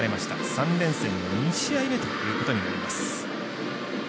３連戦の２試合目ということになります。